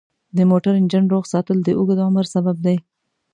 د موټر انجن روغ ساتل د اوږد عمر سبب دی.